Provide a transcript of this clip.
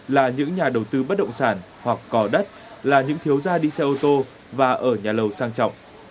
là những nhà đầu tư bất động sản hoặc cò đất là những thiếu gia đi xe ô tô và ở nhà lầu sang trọng